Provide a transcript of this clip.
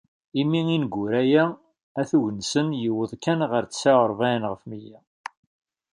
Imi ineggura-a atug-nsen yewweḍ kan ɣer tesεa u rebεin ɣef mya.